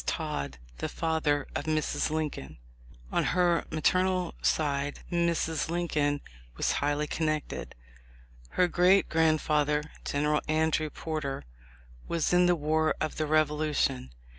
Todd, the father of Mrs. Lincoln. On her maternal side Mrs. Lincoln was highly con nected. Her great grandfather, General Andrew Porter, was in the war of the Revolution.